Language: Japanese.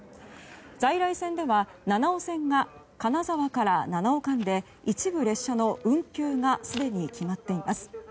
在来線では七尾線が金沢から七尾間で一部列車の運休がすでに決まっています。